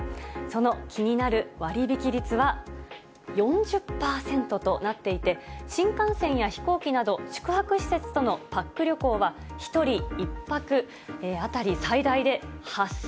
その気になる割引率は、４０％となっていて、新幹線や飛行機など、宿泊施設とのパック旅行は、１人１泊当たり最大で８０００円。